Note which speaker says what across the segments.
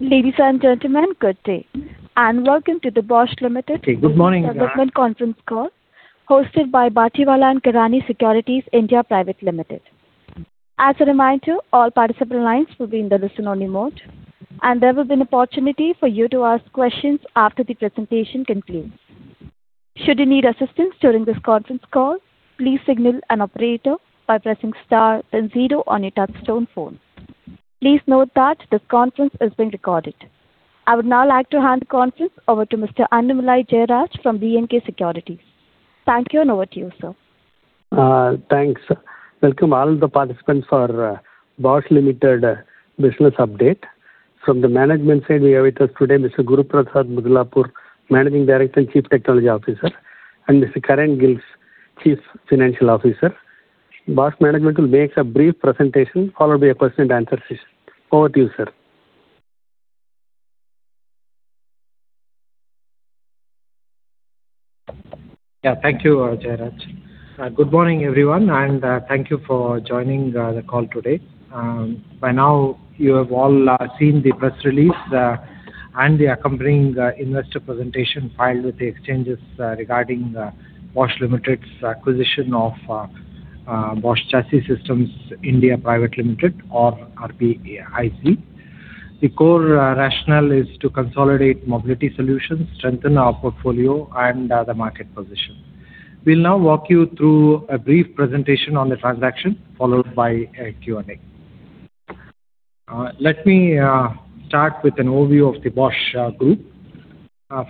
Speaker 1: Ladies and gentlemen, good day, and welcome to the Bosch Limited.
Speaker 2: Good morning.
Speaker 1: Management conference call hosted by Batlivala & Karani Securities India Private Limited. As a reminder, all participant lines will be in the listen-only mode, and there will be an opportunity for you to ask questions after the presentation concludes. Should you need assistance during this conference call, please signal an operator by pressing star then zero on your touch-tone phone. Please note that this conference is being recorded. I would now like to hand the conference over to Mr. Annamalai Jayaraj from B&K Securities. Thank you, and over to you, sir.
Speaker 2: Thanks. Welcome all the participants for Bosch Limited business update. From the management side, we have with us today Mr. Guruprasad Mudlapur, Managing Director and Chief Technology Officer, and Mr. Karin Gilges, Chief Financial Officer. Bosch management will make a brief presentation, followed by a question and answer session. Over to you, sir.
Speaker 3: Yeah, thank you, Jayaraj. Good morning, everyone, and thank you for joining the call today. By now you have all seen the press release and the accompanying investor presentation filed with the exchanges regarding Bosch Limited's acquisition of Bosch Chassis Systems India Private Limited, or RBIC. The core rationale is to consolidate mobility solutions, strengthen our portfolio and the market position. We'll now walk you through a brief presentation on the transaction, followed by a Q&A. Let me start with an overview of the Bosch Group.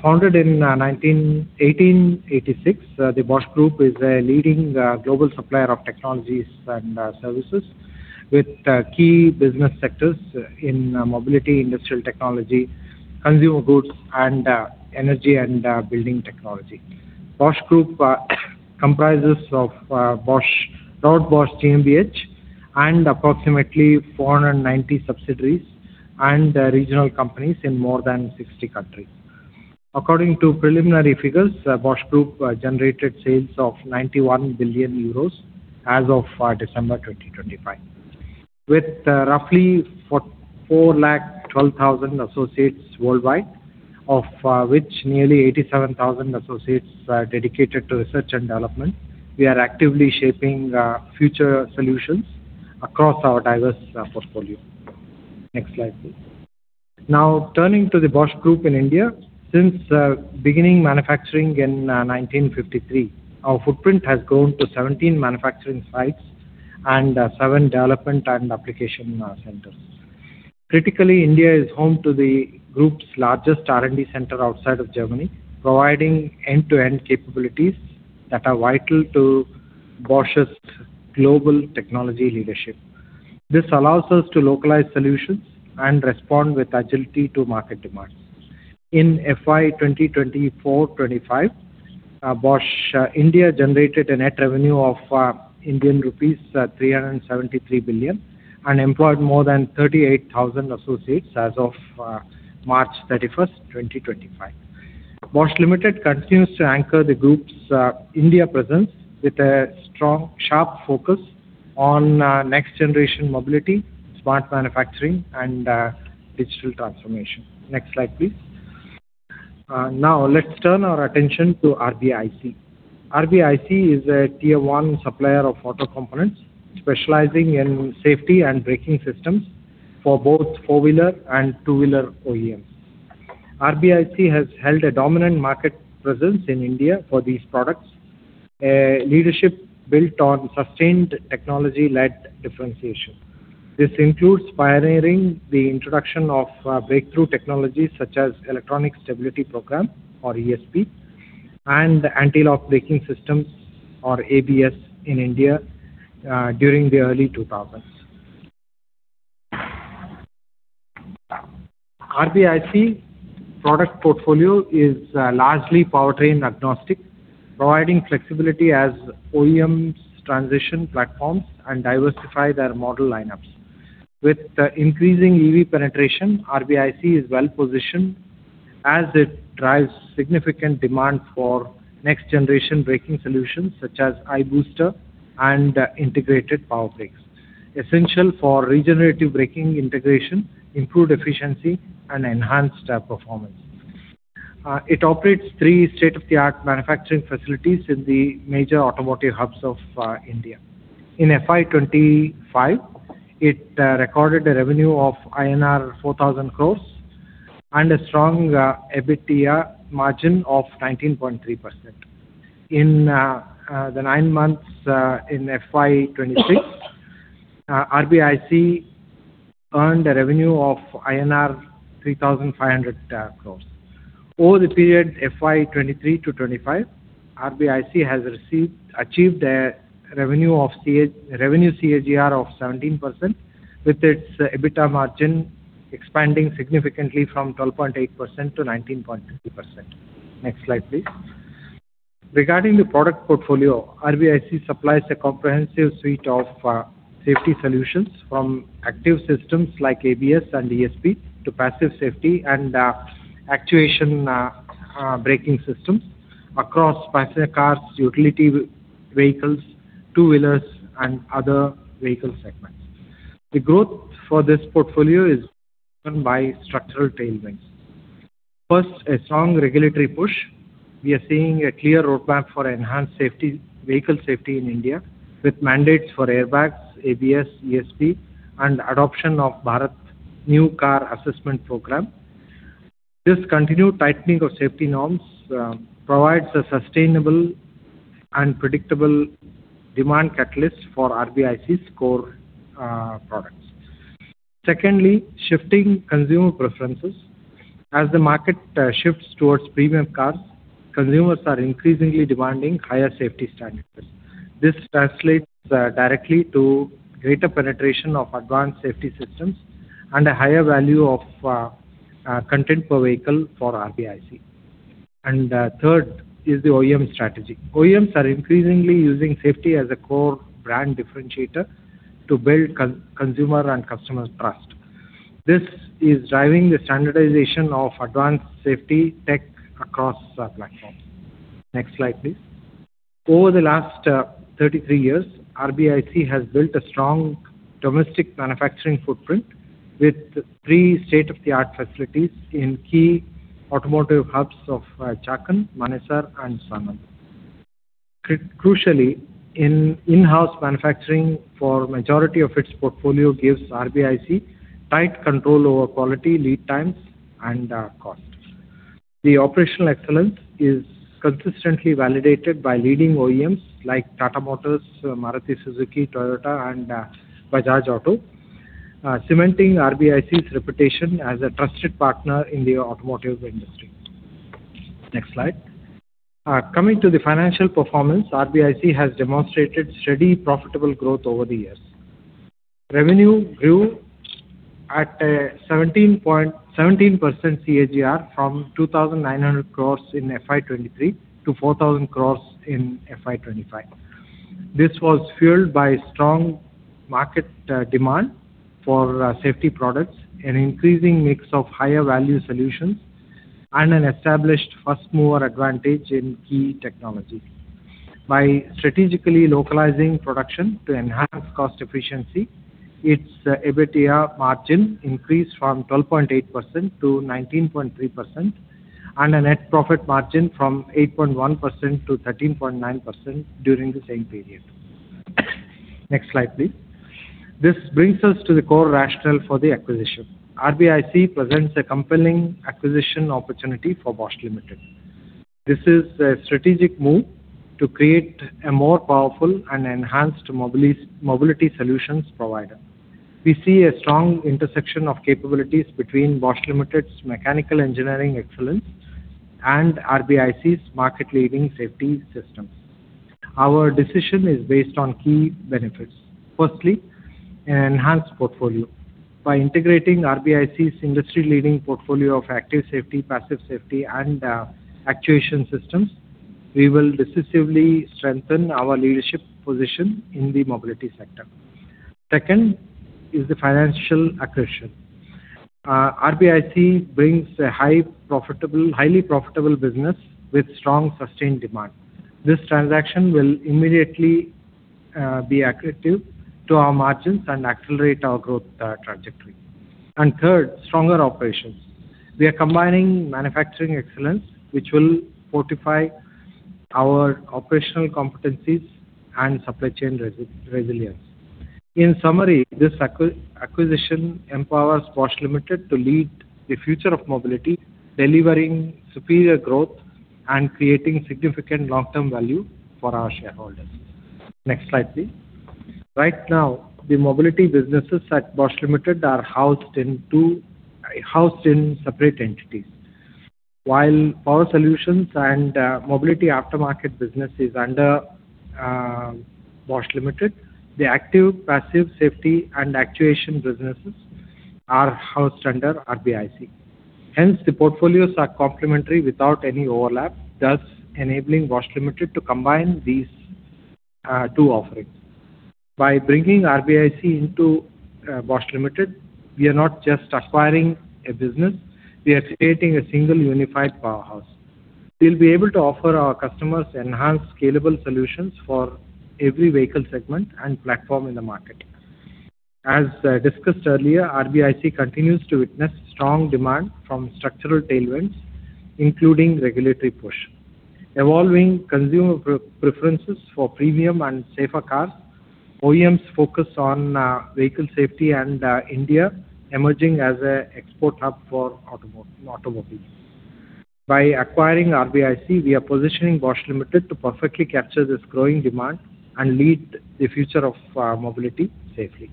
Speaker 3: Founded in 1886, the Bosch Group is a leading global supplier of technologies and services with key business sectors in mobility, industrial technology, consumer goods, and energy and building technology. Bosch Group comprises of Robert Bosch GmbH and approximately 490 subsidiaries and regional companies in more than 60 countries. According to preliminary figures, Bosch Group generated sales of 91 billion euros as of December 2025. With roughly 4 lakh 12,000 associates worldwide, of which nearly 87,000 associates are dedicated to research and development, we are actively shaping future solutions across our diverse portfolio. Next slide, please. Now, turning to the Bosch Group in India. Since beginning manufacturing in 1953, our footprint has grown to 17 manufacturing sites and seven development and application centers. Critically, India is home to the group's largest R&D center outside of Germany, providing end-to-end capabilities that are vital to Bosch's global technology leadership. This allows us to localize solutions and respond with agility to market demands. In FY 2024-2025, Bosch India generated a net revenue of Indian rupees 373 billion and employed more than 38,000 associates as of March 31st, 2025. Bosch Limited continues to anchor the Group's India presence with a strong, sharp focus on next-generation mobility, smart manufacturing, and digital transformation. Next slide, please. Now, let's turn our attention to RBIC. RBIC is a tier-one supplier of auto components, specializing in safety and braking systems for both four-wheeler and two-wheeler OEMs. RBIC has held a dominant market presence in India for these products, a leadership built on sustained technology-led differentiation. This includes pioneering the introduction of breakthrough technologies such as Electronic Stability Program, or ESP, and Anti-lock Braking Systems, or ABS, in India during the early 2000s. RBIC product portfolio is largely powertrain-agnostic, providing flexibility as OEMs transition platforms and diversify their model lineups. With the increasing EV penetration, RBIC is well-positioned as it drives significant demand for next-generation braking solutions such as iBooster and integrated power brakes, essential for regenerative braking integration, improved efficiency and enhanced performance. It operates three state-of-the-art manufacturing facilities in the major automotive hubs of India. In FY 2025, it recorded a revenue of INR 4,000 crores and a strong EBITDA margin of 19.3%. In the nine months in FY 2026, RBIC earned a revenue of INR 3,500 crores. Over the period FY 2023-FY 2025, RBIC has achieved a revenue CAGR of 17%, with its EBITDA margin expanding significantly from 12.8%-19.3%. Next slide, please. Regarding the product portfolio, RBIC supplies a comprehensive suite of safety solutions from active systems like ABS and ESP to passive safety and actuation braking systems across passenger cars, utility vehicles, two-wheelers, and other vehicle segments. The growth for this portfolio is driven by structural tailwinds. First, a strong regulatory push. We are seeing a clear roadmap for enhanced vehicle safety in India, with mandates for airbags, ABS, ESP, and adoption of Bharat New Car Assessment Programme. This continued tightening of safety norms provides a sustainable and predictable demand catalyst for RBIC's core products. Secondly, shifting consumer preferences. As the market shifts towards premium cars, consumers are increasingly demanding higher safety standards. This translates directly to greater penetration of advanced safety systems and a higher value of content per vehicle for RBIC. Third is the OEM strategy. OEMs are increasingly using safety as a core brand differentiator to build consumer and customer trust. This is driving the standardization of advanced safety tech across platforms. Next slide, please. Over the last 33 years, RBIC has built a strong domestic manufacturing footprint with three state-of-the-art facilities in key automotive hubs of Chakan, Manesar, and Sanand. Crucially, in-house manufacturing for majority of its portfolio gives RBIC tight control over quality, lead times, and costs. The operational excellence is consistently validated by leading OEMs like Tata Motors, Maruti Suzuki, Toyota, and Bajaj Auto, cementing RBIC's reputation as a trusted partner in the automotive industry. Next slide. Coming to the financial performance, RBIC has demonstrated steady, profitable growth over the years. Revenue grew at a 17% CAGR from 2,900 crores in FY 2023 to 4,000 crores in FY 2025. This was fueled by strong market demand for safety products, an increasing mix of higher value solutions, and an established first-mover advantage in key technology. By strategically localizing production to enhance cost efficiency, its EBITDA margin increased from 12.8%-19.3%, and a net profit margin from 8.1%-13.9% during the same period. Next slide, please. This brings us to the core rationale for the acquisition. RBIC presents a compelling acquisition opportunity for Bosch Limited. This is a strategic move to create a more powerful and enhanced mobility solutions provider. We see a strong intersection of capabilities between Bosch Limited's mechanical engineering excellence and RBIC's market-leading safety systems. Our decision is based on key benefits. Firstly, an enhanced portfolio. By integrating RBIC's industry-leading portfolio of active safety, passive safety, and actuation systems, we will decisively strengthen our leadership position in the mobility sector. Second is the financial accretion. RBIC brings a highly profitable business with strong, sustained demand. This transaction will immediately be accretive to our margins and accelerate our growth trajectory. Third, stronger operations. We are combining manufacturing excellence, which will fortify our operational competencies and supply chain resilience. In summary, this acquisition empowers Bosch Limited to lead the future of mobility, delivering superior growth and creating significant long-term value for our shareholders. Next slide, please. Right now, the mobility businesses at Bosch Limited are housed in separate entities. While Power Solutions and Mobility Aftermarket business is under Bosch Limited, the active/passive safety and actuation businesses are housed under RBIC. Hence, the portfolios are complementary without any overlap, thus enabling Bosch Limited to combine these two offerings. By bringing RBIC into Bosch Limited, we are not just acquiring a business, we are creating a single unified powerhouse. We'll be able to offer our customers enhanced scalable solutions for every vehicle segment and platform in the market. As discussed earlier, RBIC continues to witness strong demand from structural tailwinds, including regulatory push, evolving consumer preferences for premium and safer cars, OEMs focus on vehicle safety, and India emerging as an export hub for automobiles. By acquiring RBIC, we are positioning Bosch Limited to perfectly capture this growing demand and lead the future of mobility safely.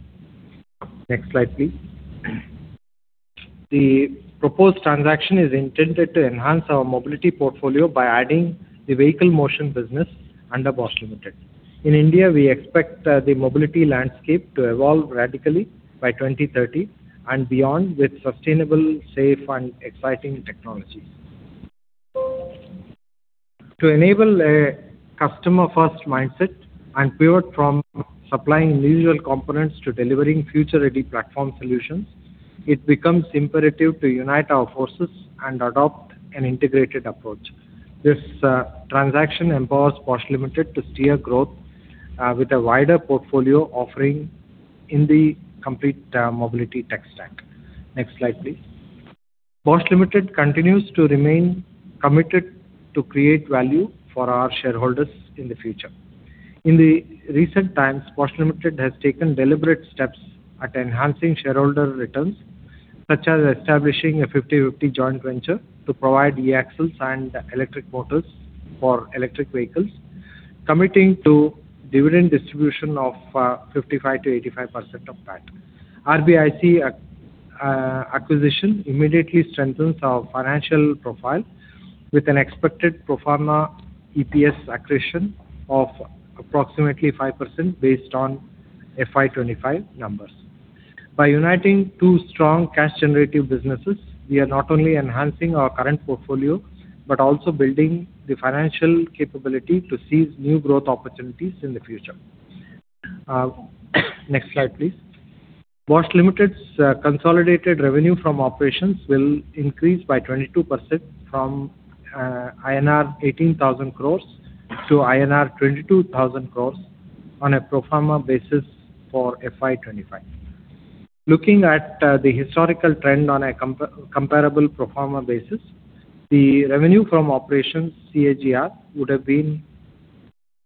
Speaker 3: Next slide, please. The proposed transaction is intended to enhance our mobility portfolio by adding the vehicle motion business under Bosch Limited. In India, we expect the mobility landscape to evolve radically by 2030 and beyond, with sustainable, safe, and exciting technology. To enable a customer-first mindset and pivot from supplying individual components to delivering future-ready platform solutions it becomes imperative to unite our forces and adopt an integrated approach. This transaction empowers Bosch Limited to steer growth with a wider portfolio offering in the complete mobility tech stack. Next slide, please. Bosch Limited continues to remain committed to create value for our shareholders in the future. In the recent times, Bosch Limited has taken deliberate steps at enhancing shareholder returns, such as establishing a 50/50 joint venture to provide eAxles and electric motors for electric vehicles, committing to dividend distribution of 55%-85% of PAT. RBIC acquisition immediately strengthens our financial profile with an expected pro forma EPS accretion of approximately 5% based on FY 2025 numbers. By uniting two strong cash generative businesses, we are not only enhancing our current portfolio, but also building the financial capability to seize new growth opportunities in the future. Next slide, please. Bosch Limited's consolidated revenue from operations will increase by 22% from 18,000 crores-22,000 crores INR on a pro forma basis for FY 2025. Looking at the historical trend on a comparable pro forma basis, the revenue from operations CAGR would have been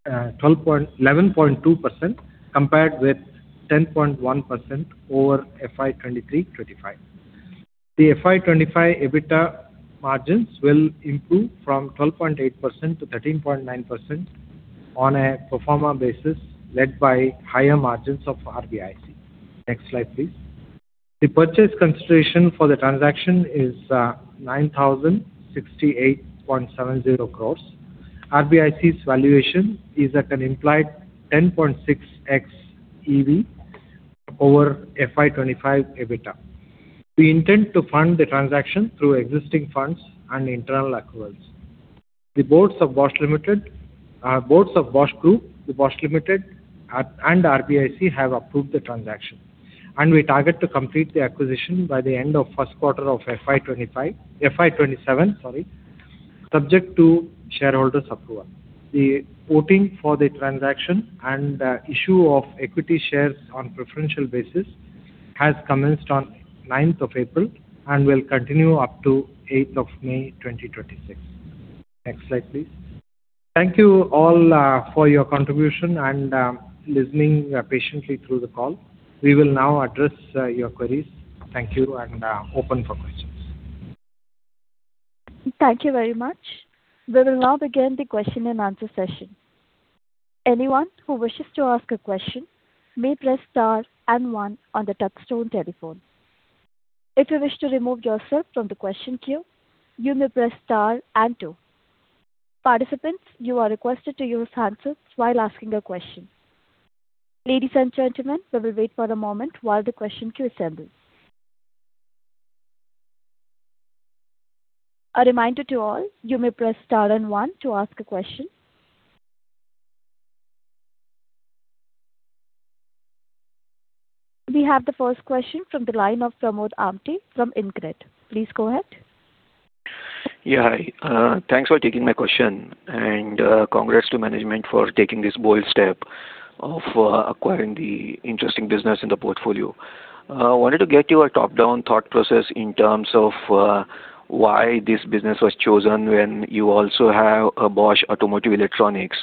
Speaker 3: 11.2%, compared with 10.1% over FY 2023-2025. The FY 2025 EBITDA margins will improve from 12.8%-13.9% on a pro forma basis, led by higher margins of RBIC. Next slide, please. The purchase consideration for the transaction is 9,068.70 crores. RBIC's valuation is at an implied 10.6x EV over FY 2025 EBITDA. We intend to fund the transaction through existing funds and internal accruals. The boards of Bosch Group, the Bosch Limited, and RBIC have approved the transaction, and we target to complete the acquisition by the end of first quarter of FY 2027, subject to shareholders' approval. The voting for the transaction and issue of equity shares on preferential basis has commenced on 9th of April and will continue up to 8th of May 2026. Next slide, please. Thank you all for your contribution and listening patiently through the call. We will now address your queries. Thank you. Open for questions.
Speaker 1: Thank you very much. We will now begin the question and answer session. Anyone who wishes to ask a question may press star and one on the touch-tone telephone. If you wish to remove yourself from the question queue, you may press star and two. Participants, you are requested to use handsets while asking a question. Ladies and gentlemen, we will wait for a moment while the question queue assembles. A reminder to all, you may press star and one to ask a question. We have the first question from the line of Pramod Amthe from InCred. Please go ahead.
Speaker 4: Yeah. Hi. Thanks for taking my question, and congrats to management for taking this bold step of acquiring the interesting business in the portfolio. I wanted to get your top-down thought process in terms of why this business was chosen when you also have a Bosch Automotive Electronics,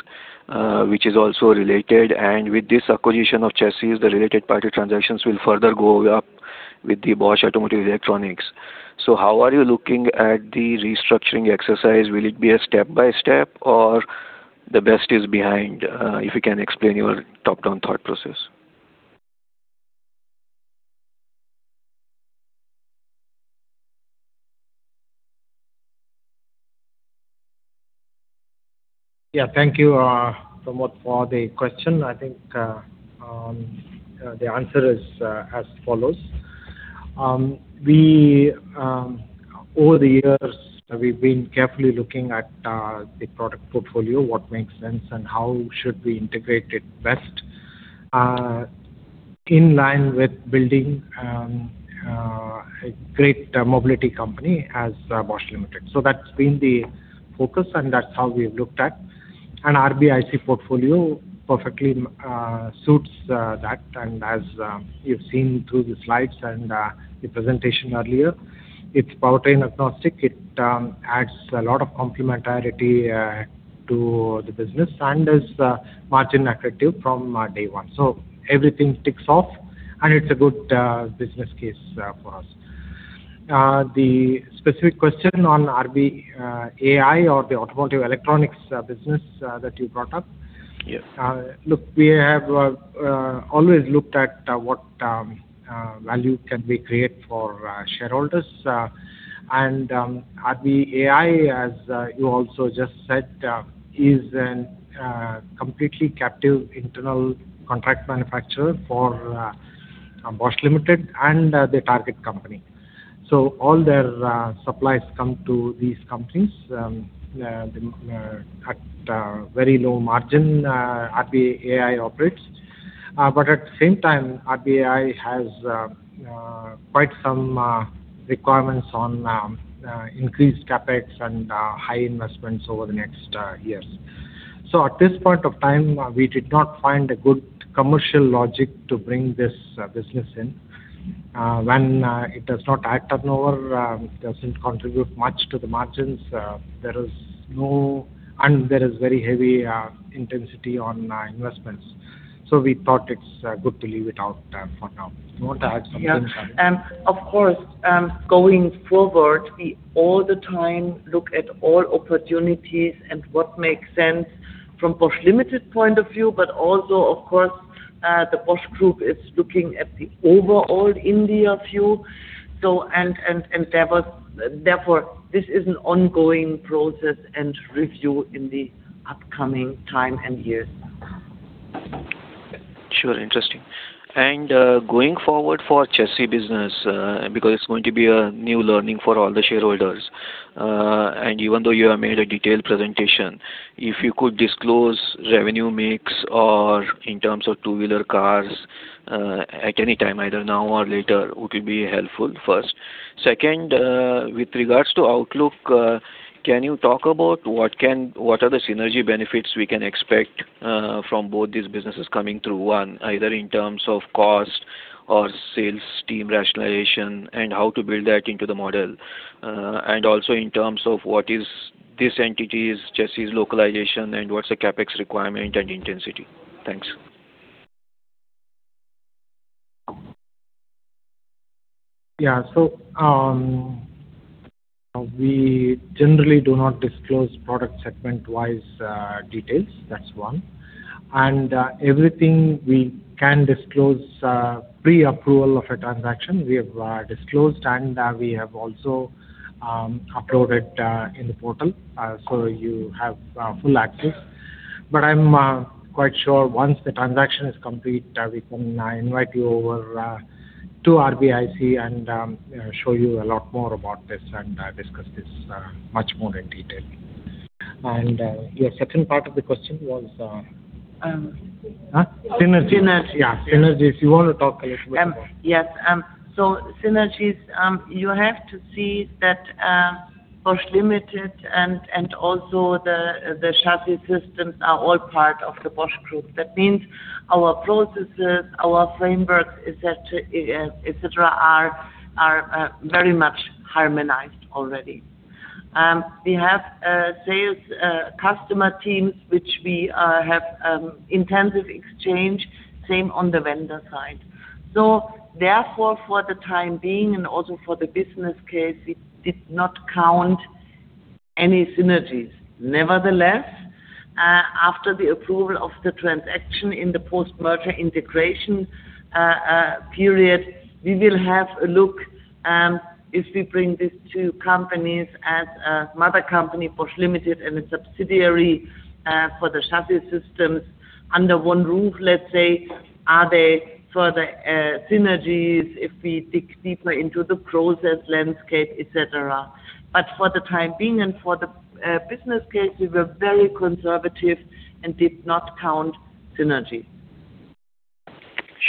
Speaker 4: which is also related. With this acquisition of Chassis, the related party transactions will further go up with the Bosch Automotive Electronics. How are you looking at the restructuring exercise? Will it be a step-by-step, or the best is behind? If you can explain your top-down thought process.
Speaker 3: Yeah. Thank you, Pramod, for the question. I think the answer is as follows. Over the years, we've been carefully looking at the product portfolio, what makes sense, and how should we integrate it best, in line with building a great mobility company as Bosch Limited. That's been the focus, and that's how we've looked at. RBIC portfolio perfectly suits that. As you've seen through the slides and the presentation earlier, it's powertrain agnostic. It adds a lot of complementarity to the business and is margin accretive from day one. Everything ticks off and it's a good business case for us. The specific question on RBAI or the automotive electronics business that you brought up.
Speaker 4: Yes.
Speaker 3: Look, we have always looked at what value can we create for shareholders. RBAI, as you also just said, is a completely captive internal contract manufacturer for Bosch Limited and the target company. All their supplies come to these companies at very low margin RBAI operates. At the same time, RBAI has quite some requirements on increased CapEx and high investments over the next years. At this point of time, we did not find a good commercial logic to bring this business in. When it does not add turnover, it doesn't contribute much to the margins, and there is very heavy intensity on investments. We thought it's good to leave it out for now. You want to add something, Karin Gilges?
Speaker 5: Yeah. Of course, going forward, we all the time look at all opportunities and what makes sense from Bosch Limited point of view, but also, of course, the Bosch Group is looking at the overall India view. Therefore, this is an ongoing process and review in the upcoming time and years.
Speaker 4: Sure, interesting. Going forward for chassis business, because it's going to be a new learning for all the shareholders, and even though you have made a detailed presentation, if you could disclose revenue mix or in terms of two-wheeler, cars, at any time, either now or later, it will be helpful first. Second, with regards to outlook, can you talk about what are the synergy benefits we can expect from both these businesses coming through? One, either in terms of cost or sales team rationalization, and how to build that into the model. Also in terms of what is this entity's chassis localization, and what's the CapEx requirement and intensity? Thanks.
Speaker 3: Yeah. We generally do not disclose product segment-wise details. That's one. Everything we can disclose, pre-approval of a transaction, we have disclosed, and we have also uploaded in the portal. You have full access. I'm quite sure once the transaction is complete, we can invite you over to RBIC and show you a lot more about this and discuss this much more in detail. Your second part of the question was?
Speaker 4: Synergy. Synergy.
Speaker 3: Yeah, synergy, if you want to talk a little bit about.
Speaker 5: Yes. Synergies, you have to see that Bosch Limited and also the Chassis Systems are all part of the Bosch Group. That means our processes, our frameworks, et cetera, are very much harmonized already. We have sales customer teams, which we have intensive exchange, same on the vendor side. Therefore, for the time being and also for the business case, we did not count any synergies. Nevertheless, after the approval of the transaction in the post-merger integration period, we will have a look if we bring these two companies as a mother company, Bosch Limited, and a subsidiary, for the Chassis Systems, under one roof, let's say. Are there further synergies if we dig deeper into the process landscape, et cetera? For the time being and for the business case, we were very conservative and did not count synergy.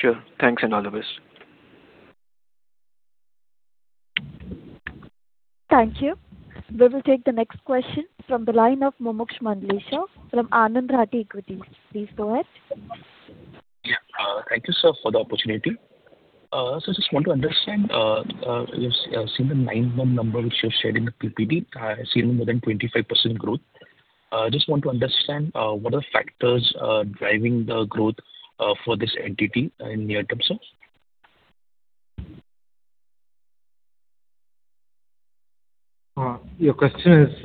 Speaker 4: Sure. Thanks, Karin Gilges.
Speaker 1: Thank you. We will take the next question from the line of Mumuksh Mandlesha from Anand Rathi Equities. Please go ahead.
Speaker 6: Yeah. Thank you, sir, for the opportunity. Just want to understand. I've seen the nine-month number, which you've shared in the PPT. I see more than 25% growth. Just want to understand, what are the factors driving the growth for this entity in near terms, sir?
Speaker 3: Your question is,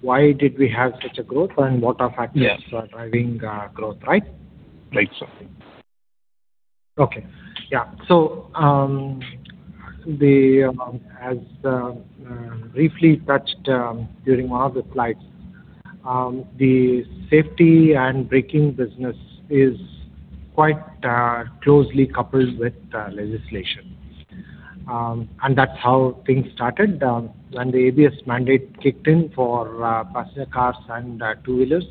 Speaker 3: why did we have such a growth and what are factors.
Speaker 6: Yeah.
Speaker 3: That are driving growth, right?
Speaker 6: Right, sir.
Speaker 3: Okay. Yeah. As briefly touched during one of the slides, the safety and braking business is quite closely coupled with legislation. That's how things started. When the ABS mandate kicked in for passenger cars and two-wheelers,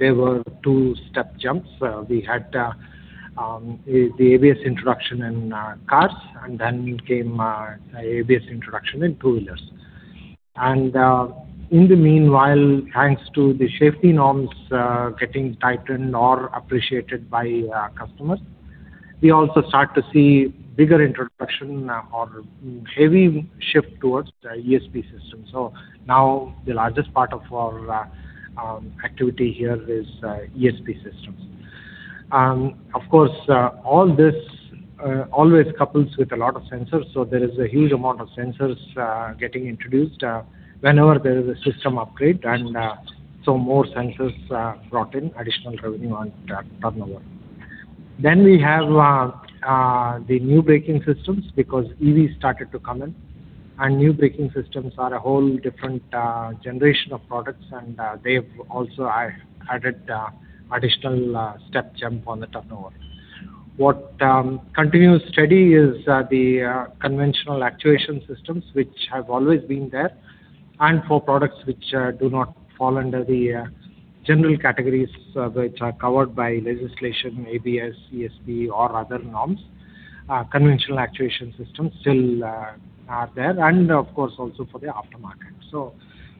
Speaker 3: there were two-step jumps. We had the ABS introduction in cars, and then came ABS introduction in two-wheelers. In the meanwhile, thanks to the safety norms getting tightened or appreciated by customers, we also start to see bigger introduction or heavy shift towards ESP systems. Now the largest part of our activity here is ESP systems. Of course, all this always couples with a lot of sensors, so there is a huge amount of sensors getting introduced whenever there is a system upgrade, and so more sensors brought in, additional revenue and turnover. We have the new braking systems because EV started to come in. New braking systems are a whole different generation of products, and they've also added additional step jump on the turnover. What continues steady is the conventional actuation systems, which have always been there, and for products which do not fall under the general categories which are covered by legislation, ABS, CBS, or other norms. Conventional actuation systems still are there, and of course also for the aftermarket.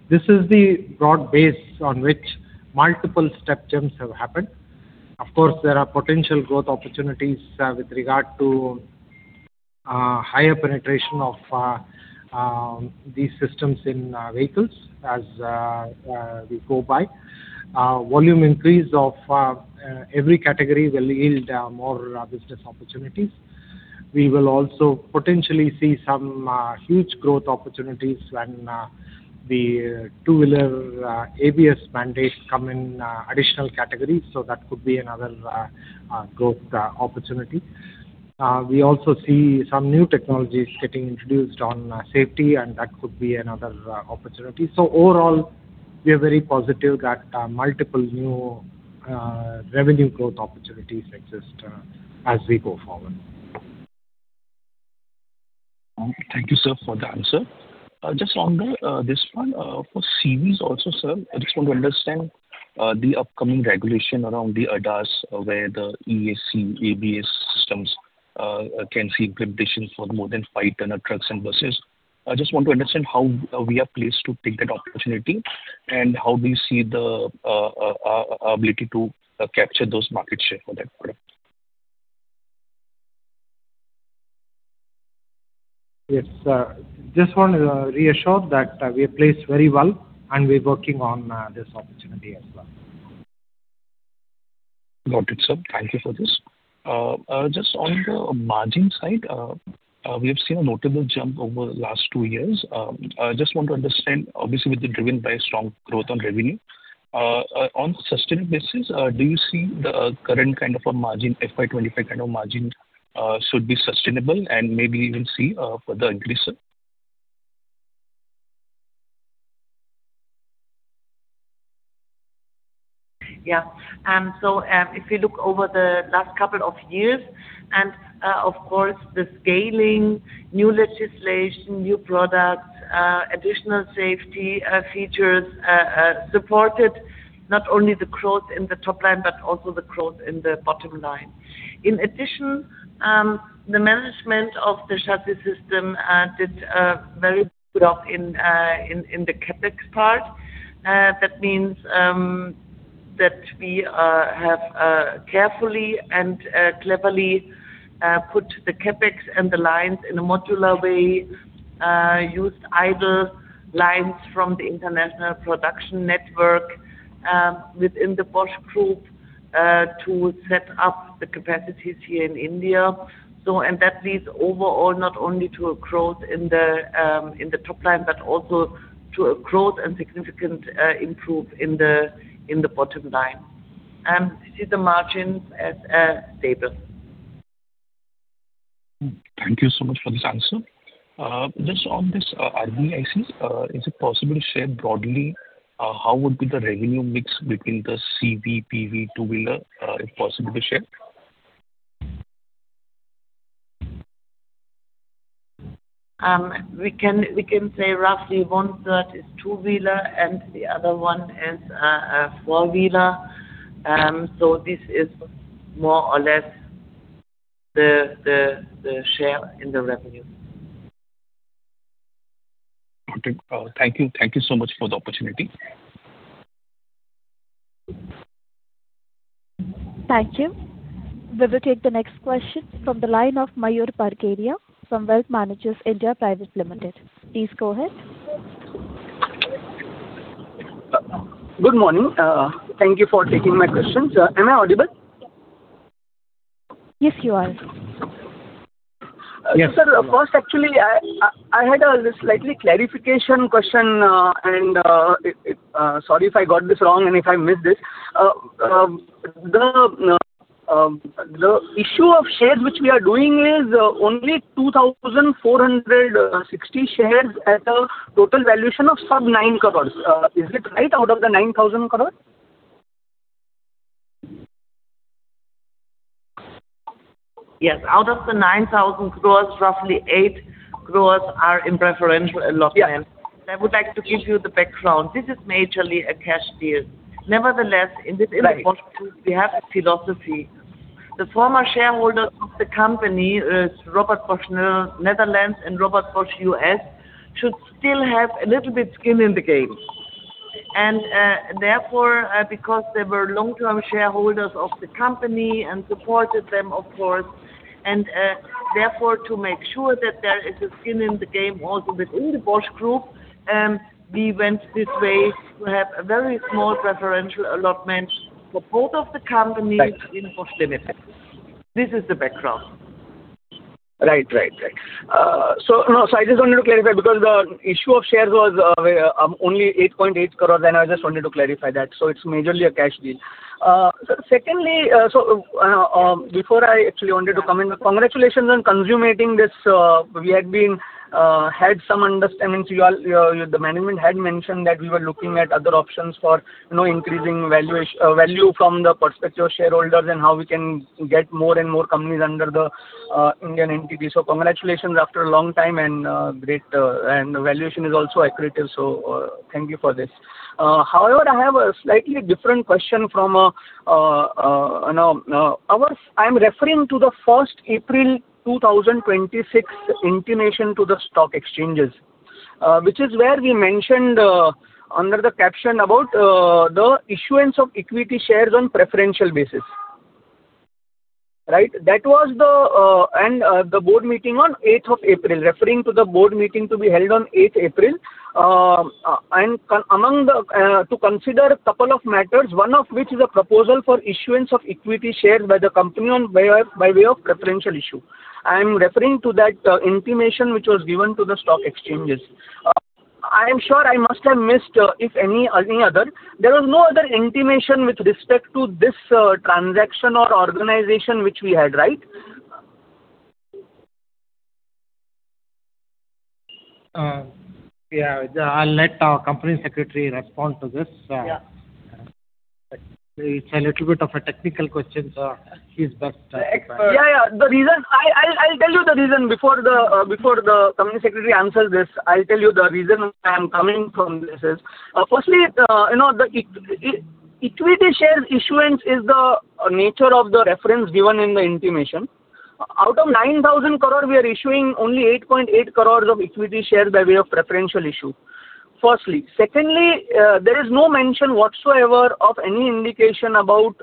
Speaker 3: This is the broad base on which multiple step jumps have happened. Of course, there are potential growth opportunities with regard to higher penetration of these systems in vehicles as we go by. Volume increase of every category will yield more business opportunities. We will also potentially see some huge growth opportunities when the two-wheeler ABS mandates come in additional categories. That could be another growth opportunity. We also see some new technologies getting introduced on safety, and that could be another opportunity. Overall, we are very positive that multiple new revenue growth opportunities exist as we go forward.
Speaker 6: Thank you, sir, for the answer. Just on this one, for CVs also, sir, I just want to understand the upcoming regulation around the ADAS, where the ESC, ABS systems can see implications for more than five ton trucks and buses. I just want to understand how we are placed to take that opportunity, and how we see the ability to capture those market share for that product.
Speaker 3: Yes, sir. Just want to reassure that we are placed very well, and we're working on this opportunity as well.
Speaker 6: Got it, sir. Thank you for this. Just on the margin side, we have seen a notable jump over the last two years. I just want to understand, obviously, with the driven by strong growth on revenue. On a sustained basis, do you see the current kind of a margin, FY 2025 kind of margin, should be sustainable, and maybe even see a further increase?
Speaker 5: Yeah. If you look over the last couple of years, and of course, the scaling, new legislation, new products, additional safety features, supported not only the growth in the top line, but also the growth in the bottom line. In addition, the management of the chassis system did very good job in the CapEx part. That means that we have carefully and cleverly put the CapEx and the lines in a modular way, used idle lines from the international production network within the Bosch Group to set up the capacities here in India. That leads overall not only to a growth in the top line, but also to a growth and significant improve in the bottom line. This is the margins as stable.
Speaker 6: Thank you so much for this answer. Just on this, RBIC, is it possible to share broadly how would be the revenue mix between the CV, PV, two-wheeler, if possible to share?
Speaker 5: We can say roughly 1/3 is two-wheeler and the other one is four-wheeler. This is more or less the share in the revenue.
Speaker 6: Got it. Thank you so much for the opportunity.
Speaker 1: Thank you. We will take the next question from the line of Mayur Parkeria from Wealth Managers (India) Private Limited. Please go ahead.
Speaker 7: Good morning. Thank you for taking my questions. Am I audible?
Speaker 1: Yes, you are.
Speaker 7: First, actually, I had a slight clarification question, and sorry if I got this wrong and if I missed it. The issue of shares which we are doing is only 2,460 shares at a total valuation of some 9 crores. Is it right out of the 9,000 crores?
Speaker 5: Yes. Out of the 9,000 crores, roughly 8 crores are in preferential allotment.
Speaker 7: Yes.
Speaker 5: I would like to give you the background. This is majorly a cash deal. Nevertheless, within Bosch, we have a philosophy. The former shareholder of the company, Robert Bosch Nederland and Robert Bosch U.S., should still have a little bit skin in the game. Therefore, because they were long-term shareholders of the company and supported them, of course, and therefore, to make sure that there is a skin in the game also within the Bosch Group, we went this way to have a very small preferential allotment for both of the companies.
Speaker 7: Right.
Speaker 5: In Bosch Limited, this is the background.
Speaker 7: Right. I just wanted to clarify because the issue of shares was only 8.8 crore, and I just wanted to clarify that. It's majorly a cash deal. Secondly, before I actually wanted to come in, congratulations on consummating this. We had some understanding, the Management had mentioned that we were looking at other options for increasing value from the prospective shareholders and how we can get more and more companies under the Indian entity. Congratulations after a long time and great, and valuation is also accretive, so thank you for this. However, I have a slightly different question. I'm referring to the first April 2026 intimation to the stock exchanges, which is where we mentioned under the caption about the issuance of equity shares on preferential basis. Right? That was the board meeting on the eighth of April, referring to the board meeting to be held on eighth April to consider a couple of matters, one of which is a proposal for issuance of equity shares by the company by way of preferential issue. I am referring to that intimation which was given to the stock exchanges. I am sure I must have missed if any other. There was no other intimation with respect to this transaction or organization which we had, right?
Speaker 3: Yeah. I'll let our Company Secretary respond to this.
Speaker 7: Yeah.
Speaker 3: It's a little bit of a technical question, so he's best.
Speaker 7: Yeah. I'll tell you the reason before the Company Secretary answers this. I'll tell you the reason I'm coming from this is. Firstly, equity shares issuance is the nature of the reference given in the intimation. Out of 9,000 crore, we are issuing only 8.8 crores of equity shares by way of preferential issue, firstly. Secondly, there is no mention whatsoever of any indication about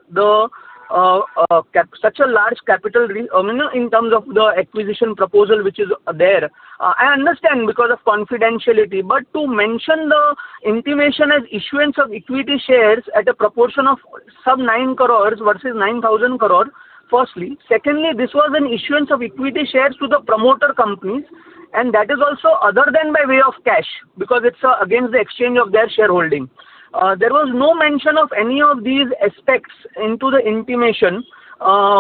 Speaker 7: such a large capital in terms of the acquisition proposal which is there. I understand because of confidentiality, but to mention the intimation as issuance of equity shares at a proportion of some 9 crores versus 9,000 crore, firstly. Secondly, this was an issuance of equity shares to the promoter companies, and that is also other than by way of cash, because it's against the exchange of their shareholding. There was no mention of any of these aspects into the intimation,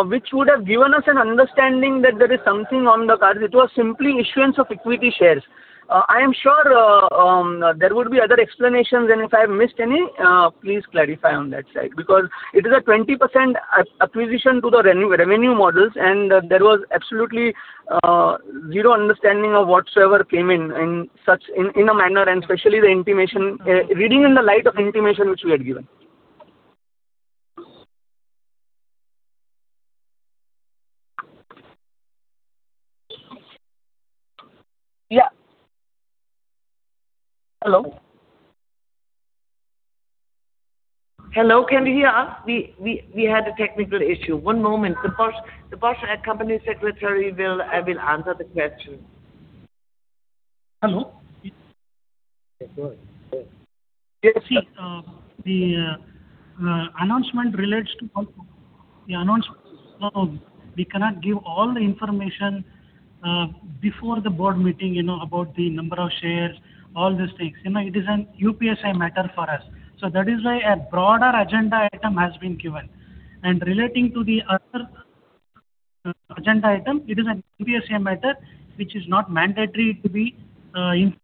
Speaker 7: which would have given us an understanding that there is something on the card. It was simply issuance of equity shares. I am sure there would be other explanations, and if I have missed any, please clarify on that side, because it is a 20% acquisition to the revenue models. There was absolutely zero understanding of whatsoever came in a manner, and especially reading in the light of the intimation which we had given.
Speaker 8: Yeah. Hello?
Speaker 5: Hello, can you hear us? We had a technical issue. One moment. The Bosch Company Secretary will answer the question.
Speaker 8: Hello?
Speaker 7: Yes, go ahead.
Speaker 8: See, the announcement relates to. We cannot give all the information before the Board meeting about the number of shares, all these things. It is an UPSI matter for us. That is why a broader agenda item has been given. Relating to the other agenda item, it is an UPSI matter, which is not mandatory to be in.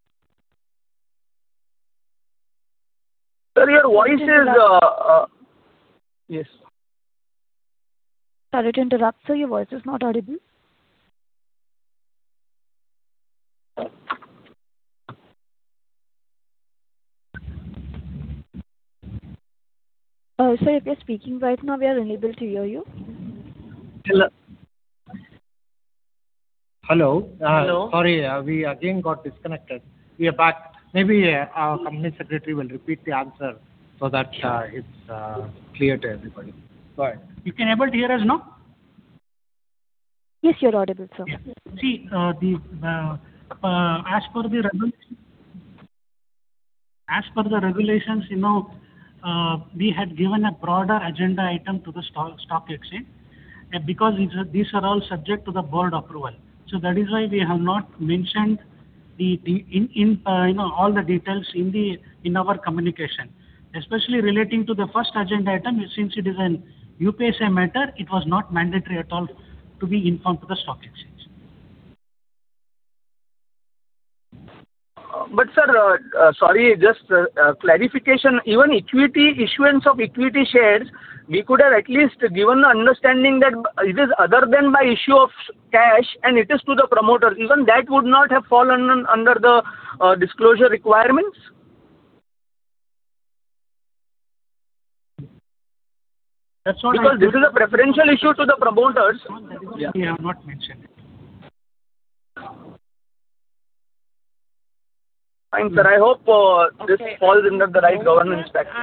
Speaker 7: Sir, your voice is.
Speaker 8: Yes.
Speaker 1: Sorry to interrupt, Sir, your voice is not audible. Sir, if you're speaking right now, we are unable to hear you.
Speaker 8: Hello? Hello.
Speaker 7: Hello.
Speaker 3: Sorry, we again got disconnected. We are back. Maybe our Company Secretary will repeat the answer so that it's clear to everybody. Go ahead.
Speaker 8: You can able to hear us now?
Speaker 1: Yes, you're audible, Sir.
Speaker 8: See, as per the regulations, we had given a broader agenda item to the stock exchange, because these are all subject to the Board approval. That is why we have not mentioned all the details in our communication. Especially relating to the first agenda item, since it is an UPSI matter, it was not mandatory at all to be informed to the stock exchange.
Speaker 7: Sir, sorry, just clarification. Even issuance of equity shares, we could have at least given an understanding that it is other than by issue of cash and it is to the promoter. Even that would not have fallen under the disclosure requirements, because this is a preferential issue to the promoters?
Speaker 8: We have not mentioned it.
Speaker 7: Fine, sir. I hope this falls under the right governance practice.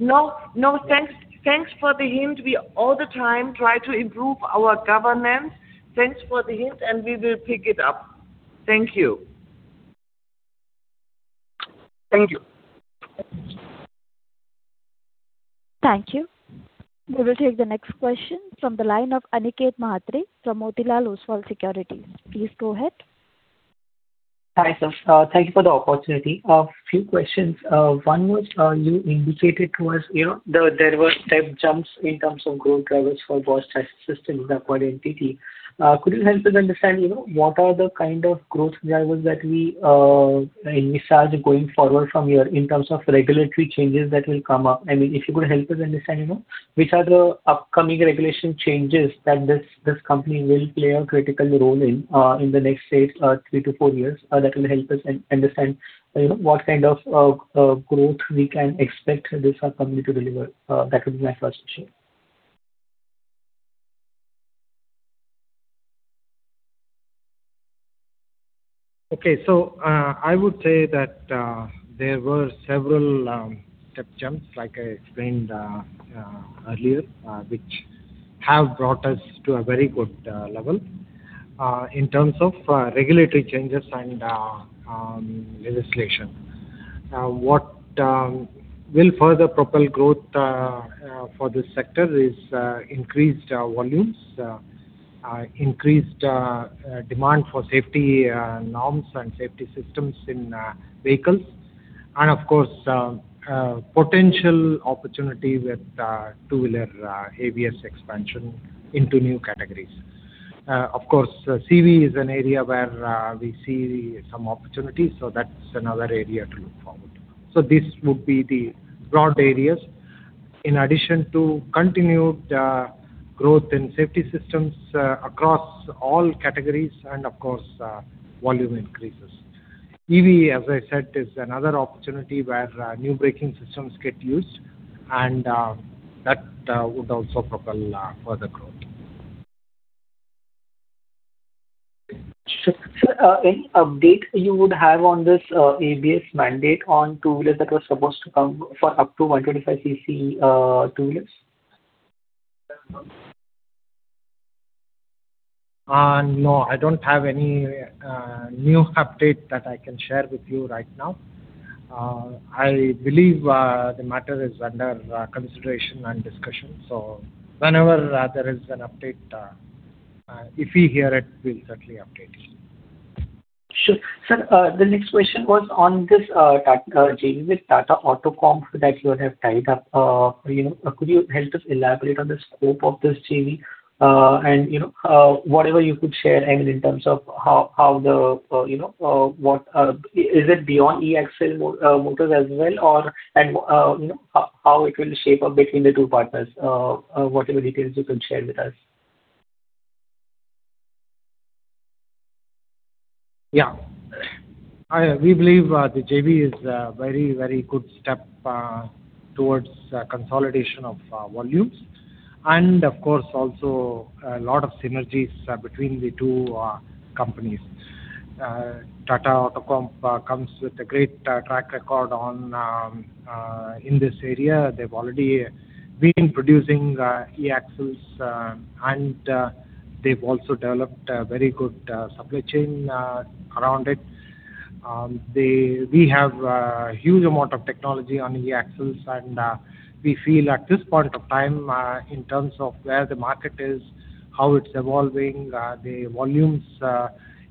Speaker 5: No, thanks for the hint. We all the time try to improve our governance. Thanks for the hint, and we will pick it up. Thank you.
Speaker 3: Thank you.
Speaker 1: Thank you. We will take the next question from the line of Aniket Mhatre from Motilal Oswal Securities. Please go ahead.
Speaker 9: Hi, sir. Thank you for the opportunity. A few questions. One was, you indicated to us there were step jumps in terms of growth drivers for Bosch safety systems, the acquired entity. Could you help us understand what are the kind of growth drivers that we may envisage going forward from here in terms of regulatory changes that will come up? If you could help us understand which are the upcoming regulation changes that this company will play a critical role in the next three to four years, that will help us understand what kind of growth we can expect this company to deliver. That would be my first question.
Speaker 3: Okay. I would say that there were several step jumps, like I explained earlier, which have brought us to a very good level in terms of regulatory changes and legislation. What will further propel growth for this sector is increased volumes, increased demand for safety norms and safety systems in vehicles, and of course, potential opportunity with two-wheeler ABS expansion into new categories. Of course, CV is an area where we see some opportunities, so that's another area to look forward to. This would be the broad areas, in addition to continued growth in safety systems across all categories and, of course, volume increases. CV, as I said, is another opportunity where new braking systems get used, and that would also propel further growth.
Speaker 9: Sure. Sir, any update you would have on this ABS mandate on two-wheelers that was supposed to come for up to 125 cc two-wheelers?
Speaker 3: No, I don't have any new update that I can share with you right now. I believe the matter is under consideration and discussion, so whenever there is an update, if we hear it, we'll certainly update you.
Speaker 9: Sure. Sir, the next question was on this JV with Tata AutoComp that you have tied up. Could you help us elaborate on the scope of this JV and whatever you could share in terms of is it beyond eAxle motors as well, and how it will shape up between the two partners, whatever details you could share with us?
Speaker 3: Yeah. We believe the JV is a very good step towards consolidation of volumes and, of course, also a lot of synergies between the two companies. Tata AutoComp comes with a great track record in this area. They've already been producing eAxles, and they've also developed a very good supply chain around it. We have a huge amount of technology on eAxles, and we feel at this point of time, in terms of where the market is, how it's evolving, the volumes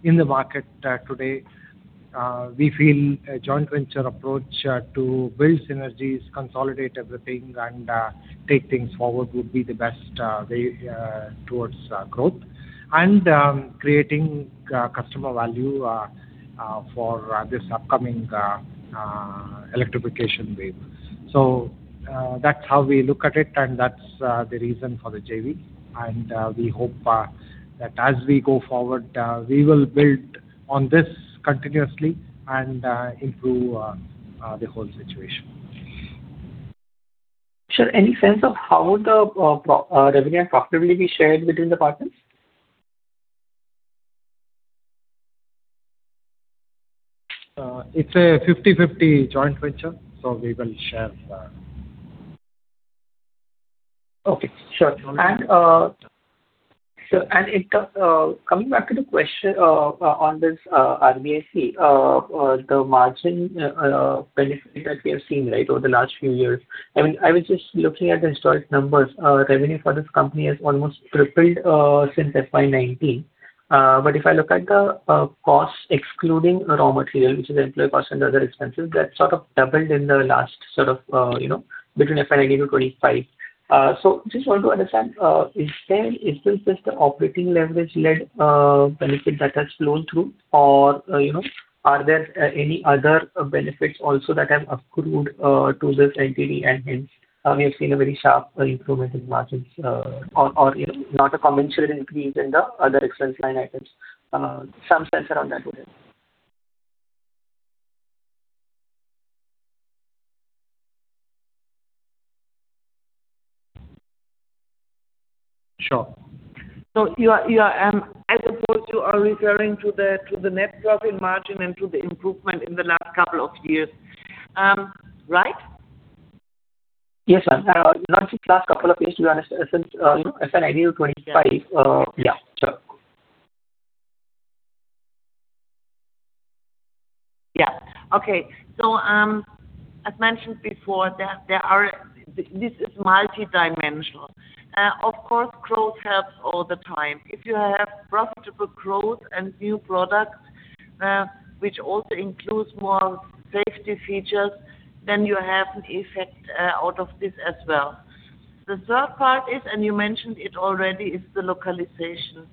Speaker 3: in the market today, we feel a joint venture approach to build synergies, consolidate everything, and take things forward would be the best way towards growth and creating customer value for this upcoming electrification wave. That's how we look at it, and that's the reason for the JV, and we hope that as we go forward, we will build on this continuously and improve the whole situation.
Speaker 9: Sure. Any sense of how the revenue and profitability will be shared between the partners?
Speaker 3: It's a 50/50 joint venture, so we will share.
Speaker 9: Okay, sure. Coming back to the question on this RBIC, the margin benefit that we have seen over the last few years, I was just looking at the historic numbers. Revenue for this company has almost tripled since FY 2019. If I look at the cost, excluding raw material, which is employee cost and other expenses, that sort of doubled in the last between FY 2019-2025. Just want to understand, is this just the operating leverage-led benefit that has flown through, or are there any other benefits also that have accrued to this entity and hence we have seen a very sharp improvement in margins or not a commensurate increase in the other expense line items? Some sense around that would help.
Speaker 3: Sure.
Speaker 5: I suppose you are referring to the net profit margin and to the improvement in the last couple of years, right?
Speaker 9: Yes, ma'am. Not just last couple of years, since FY 2019. Yeah, sure.
Speaker 5: Yeah. Okay. As mentioned before, this is multidimensional. Of course, growth helps all the time. If you have profitable growth and new products, which also includes more safety features, then you have an effect out of this as well. The third part is, and you mentioned it already, is the localization.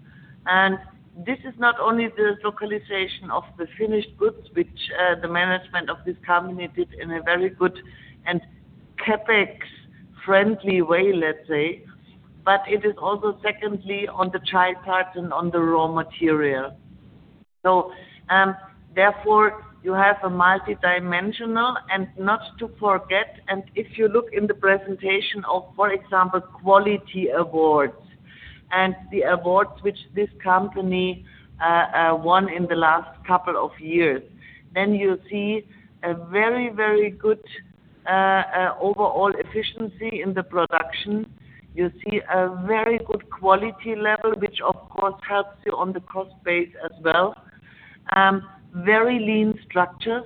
Speaker 5: This is not only the localization of the finished goods, which the Management of this company did in a very good and CapEx-friendly way, let's say, but it is also secondly on the chip part and on the raw material. Therefore you have a multidimensional, and not to forget, and if you look in the presentation of, for example, quality awards and the awards which this company won in the last couple of years, then you see a very good overall efficiency in the production. You see a very good quality level, which of course helps you on the cost base as well. Very lean structures,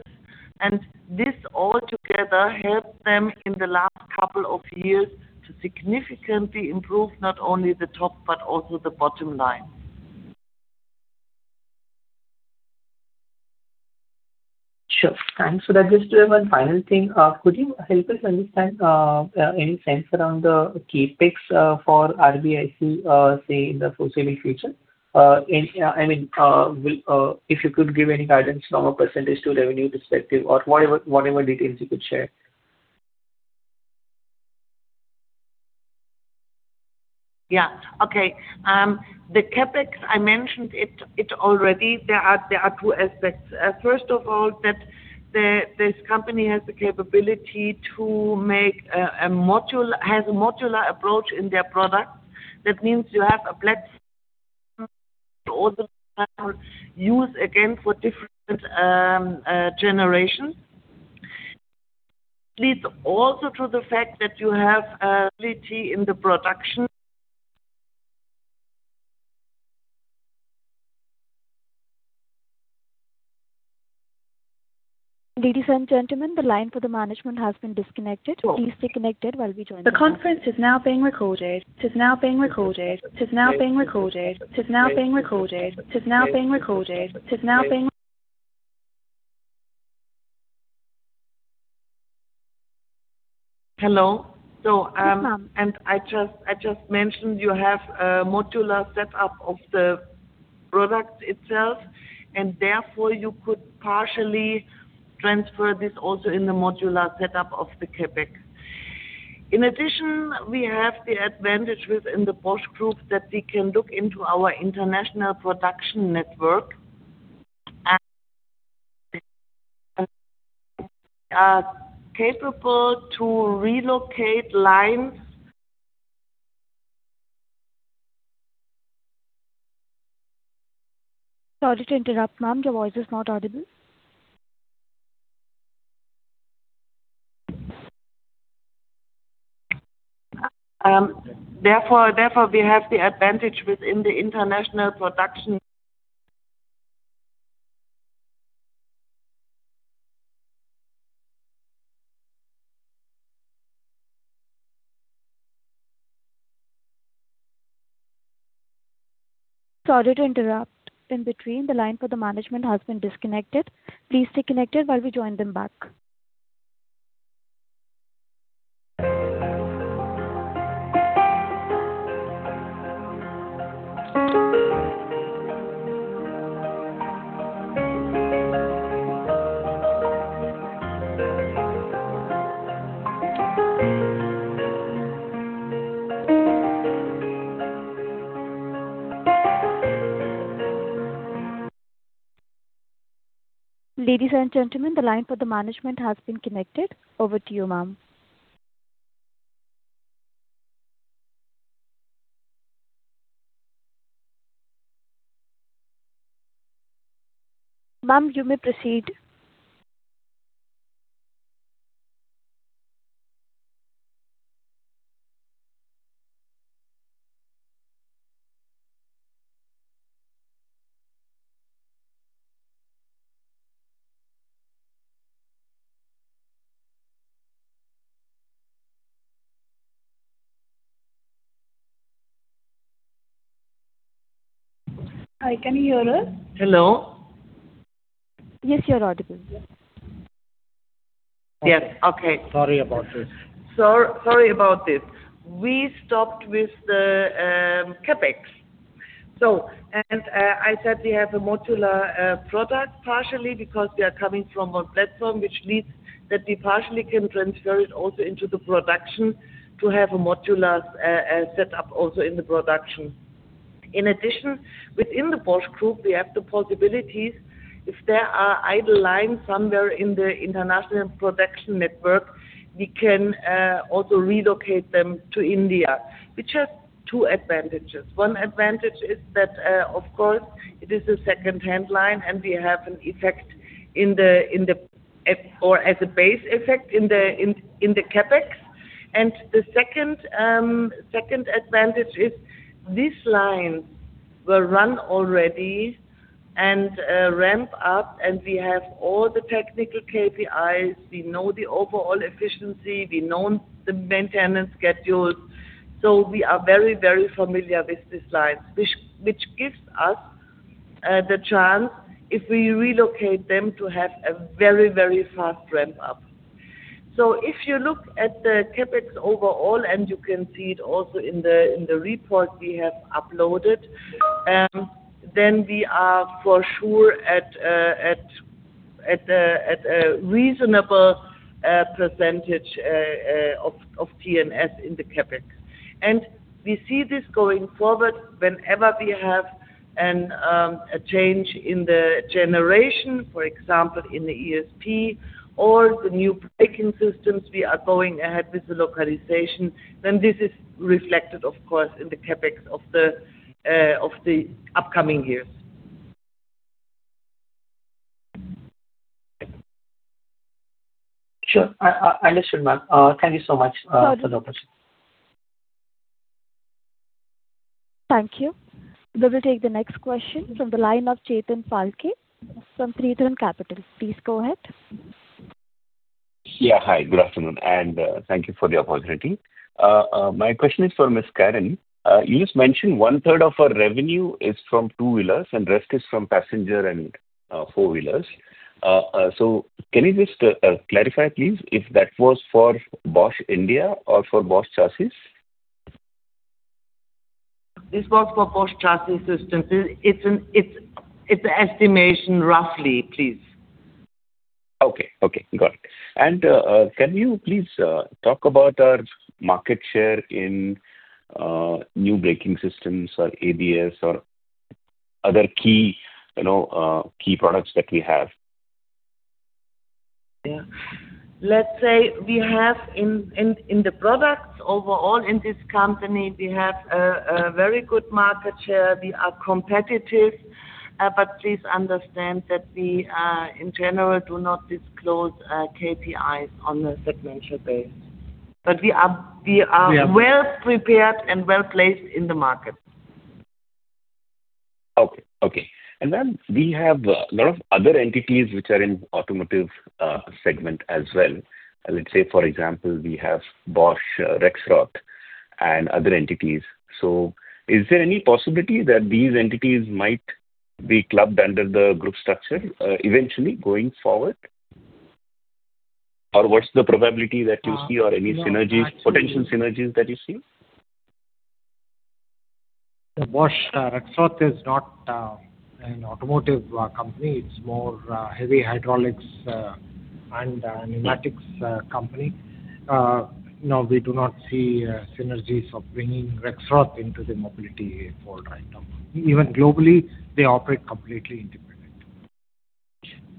Speaker 5: this all together helped them in the last couple of years to significantly improve not only the top but also the bottom line.
Speaker 9: Sure. Thanks. That leaves us to one final thing. Could you help us understand any sense around the CapEx for RBIC, say, in the foreseeable future? If you could give any guidance from a % to revenue perspective or whatever details you could share.
Speaker 5: Yeah. Okay. The CapEx, I mentioned it already. There are two aspects. First of all, that this company has a modular approach in their products. That means you have a platform also use again for different generations. Leads also to the fact that you have a ability in the production.
Speaker 1: Ladies and gentlemen, the line for the Management has been disconnected. Please stay connected while we join them back. The conference is now being recorded. Is now being recorded. Is now being recorded. Is now being recorded. Is now being recorded. Is now being-
Speaker 5: Hello.
Speaker 9: Yes, ma'am.
Speaker 5: I just mentioned you have a modular setup of the product itself, and therefore you could partially transfer this also in the modular setup of the CapEx. In addition, we have the advantage within the Bosch Group that we can look into our international production network and are capable to relocate lines.
Speaker 1: Sorry to interrupt, ma'am. Your voice is not audible.
Speaker 5: Therefore, we have the advantage within the international production.
Speaker 1: Sorry to interrupt in between. The line for the management has been disconnected. Please stay connected while we join them back. Ladies and gentlemen, the line for the management has been connected. Over to you, Ma'am. Ma'am, you may proceed.
Speaker 5: Hi, can you hear us?
Speaker 9: Hello.
Speaker 1: Yes, you're audible.
Speaker 5: Yes. Okay. Sorry about this. Sorry about this. We stopped with the CapEx. I said we have a modular product partially because we are coming from one platform, which leads that we partially can transfer it also into the production to have a modular setup also in the production. In addition, within the Bosch Group, we have the possibilities, if there are idle lines somewhere in the international production network, we can also relocate them to India, which has two advantages. One advantage is that, of course, it is a second-hand line and we have an effect or as a base effect in the CapEx. The second advantage is these lines were run already and ramp up, and we have all the technical KPIs. We know the overall efficiency, we know the maintenance schedules. We are very familiar with these lines, which gives us the chance, if we relocate them, to have a very fast ramp up. If you look at the CapEx overall, and you can see it also in the report we have uploaded, then we are for sure at a reasonable percentage of TMS in the CapEx. We see this going forward, whenever we have a change in the generation, for example, in the ESP or the new braking systems, we are going ahead with the localization, then this is reflected, of course, in the CapEx of the upcoming years.
Speaker 9: Sure. I understood, ma'am. Thank you so much for the opportunity.
Speaker 1: Thank you. We will take the next question from the line of Chetan Phalke from Tirthan Capital. Please go ahead.
Speaker 10: Yeah, hi. Good afternoon, and thank you for the opportunity. My question is for Ms. Karin. You just mentioned 1/3 of our revenue is from two-wheelers and rest is from passenger and four-wheelers. Can you just clarify, please, if that was for Bosch India or for Bosch Chassis?
Speaker 5: This was for Bosch Chassis Systems. It's an estimation, roughly, please.
Speaker 10: Okay. Got it. Can you please talk about our market share in new braking systems or ABS or other key products that we have?
Speaker 5: Yeah. Let's say, we have in the products overall in this company, we have a very good market share. We are competitive, but please understand that we, in general, do not disclose KPIs on a segmental basis. We are well-prepared and well-placed in the market.
Speaker 10: Okay. Ma'am, we have a lot of other entities which are in Automotive segment as well. Let's say, for example, we have Bosch Rexroth and other entities. Is there any possibility that these entities might be clubbed under the group structure eventually going forward? What's the probability that you see or any potential synergies that you see?
Speaker 3: Bosch Rexroth is not an automotive company. It's more heavy hydraulics and pneumatics company. No, we do not see synergies of bringing Rexroth into the mobility fold right now. Even globally, they operate completely independent.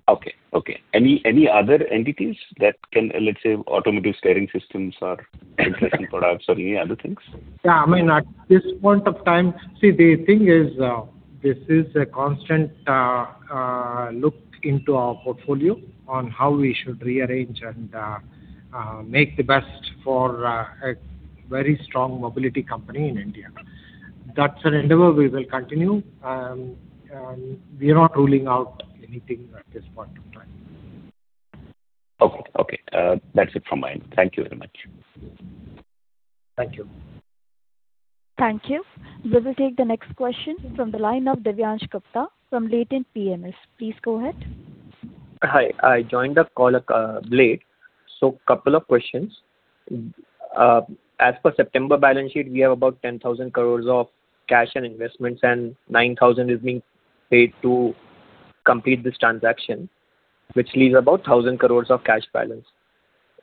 Speaker 10: Okay. Any other entities that can, let's say, automotive steering systems or inflation products or any other things?
Speaker 5: Yeah, at this point of time, see, the thing is, this is a constant look into our portfolio on how we should rearrange and make the best for a very strong mobility company in India. That's an endeavor we will continue. We are not ruling out anything at this point of time.
Speaker 10: Okay. That's it from my end. Thank you very much.
Speaker 5: Thank you.
Speaker 1: Thank you. We will take the next question from the line of Divyansh Gupta from Latent PMS. Please go ahead.
Speaker 11: Hi. I joined the call late, so couple of questions. As per September balance sheet, we have about 10,000 crores of cash and investments, and 9,000 is being paid to complete this transaction, which leaves about 1,000 crores of cash balance.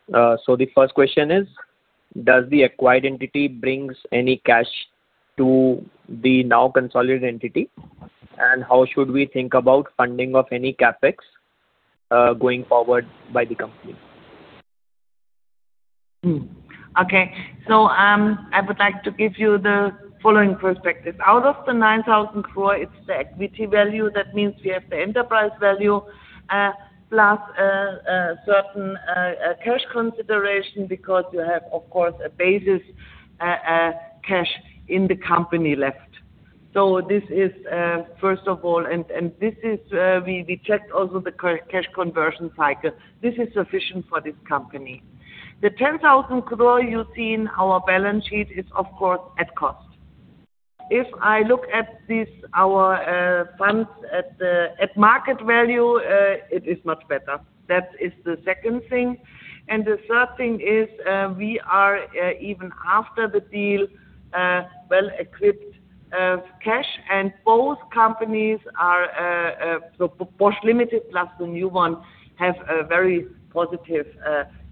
Speaker 11: The first question is, does the acquired entity brings any cash to the now consolidated entity? How should we think about funding of any CapEx, going forward by the company?
Speaker 5: Okay. I would like to give you the following perspective. Out of the 9,000 crore, it's the equity value. That means we have the enterprise value plus a certain cash consideration because you have, of course, a basis cash in the company left. This is, first of all, and we checked also the cash conversion cycle. This is sufficient for this company. The 10,000 crore you see in our balance sheet is, of course, at cost. If I look at our funds at market value, it is much better. That is the second thing. The third thing is, we are, even after the deal, well-equipped of cash, and both companies are, so Bosch Limited plus the new one, have a very positive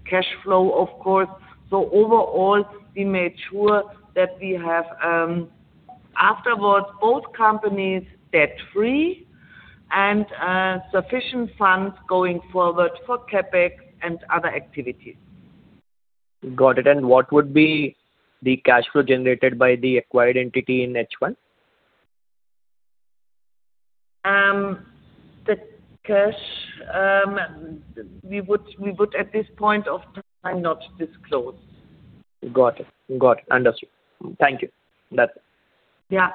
Speaker 5: cash flow, of course. Overall, we made sure that we have, afterwards, both companies debt-free and sufficient funds going forward for CapEx and other activities.
Speaker 11: Got it. What would be the cash flow generated by the acquired entity in H1?
Speaker 5: The cash, we would at this point of time not disclose.
Speaker 11: Got it. Understood. Thank you. That's it.
Speaker 5: Yeah.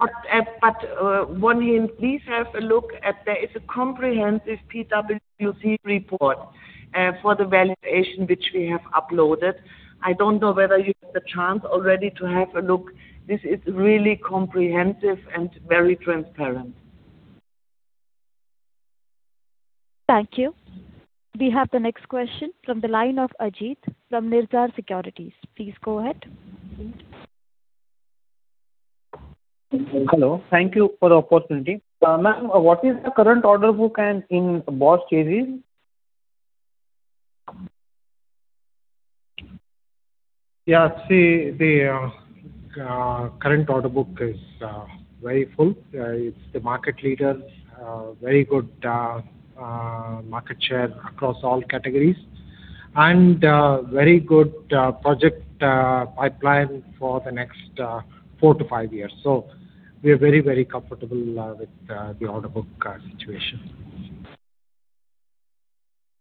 Speaker 5: One thing, please have a look, there is a comprehensive PwC report for the valuation which we have uploaded. I don't know whether you've had the chance already to have a look. This is really comprehensive and very transparent.
Speaker 1: Thank you. We have the next question from the line of Ajit from Nirzar Securities. Please go ahead.
Speaker 12: Thank you for the opportunity. Ma'am, what is the current order book in Bosch Chassis?
Speaker 3: Yeah, see, the current order book is very full. It's the market leader, very good market share across all categories. Very good project pipeline for the next four to five years. We are very, very comfortable with the order book situation.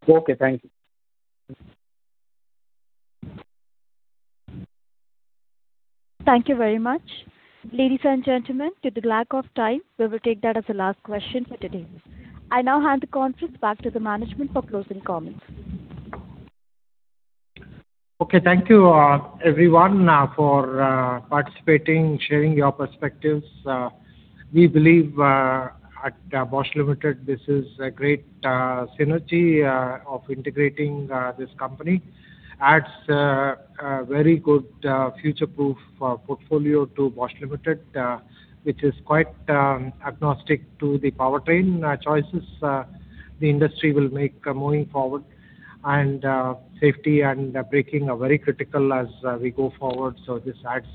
Speaker 12: Okay, thank you.
Speaker 1: Thank you very much. Ladies and gentlemen, due to lack of time, we will take that as the last question for today. I now hand the conference back to the Management for closing comments.
Speaker 3: Okay, thank you, everyone, for participating, sharing your perspectives. We believe at Bosch Limited, this is a great synergy of integrating this company. It adds a very good future-proof portfolio to Bosch Limited, which is quite agnostic to the powertrain choices the industry will make moving forward. Safety and braking are very critical as we go forward, so this adds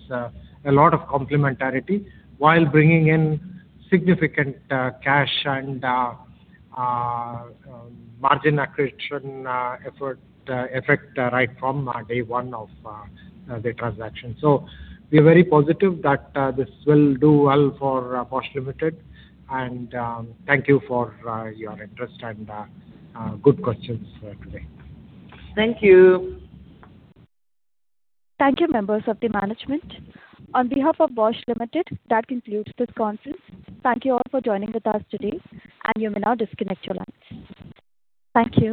Speaker 3: a lot of complementarity while bringing in significant cash and margin accretion effect right from day one of the transaction. We are very positive that this will do well for Bosch Limited, and thank you for your interest and good questions today.
Speaker 5: Thank you.
Speaker 1: Thank you, members of the management. On behalf of Bosch Limited, that concludes this conference. Thank you all for joining with us today, and you may now disconnect your lines. Thank you.